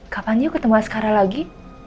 kapan dia ketemu aslara lagi